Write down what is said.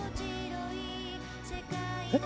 えっ。